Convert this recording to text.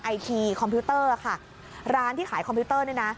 ไอทีคอมพิวเตอร์ค่ะร้านที่ขายคอมพิวเตอร์เนี่ยนะ